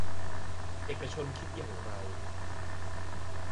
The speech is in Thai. เอกชนคิดอย่างไร